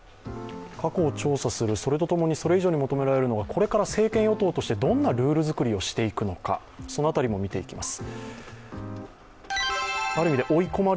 過去を調査する、それとともにそれ以上に求められるのがこれから政権与党としてどんなルール作りをしていくのか、その辺りも見ていきます。